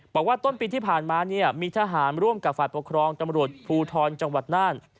บอกว่าต้นปีที่ผ่านมาเนี่ยมีทหารร่วมกับฝ่ายปกครองตำรวจภูทรจังหวัดน่าน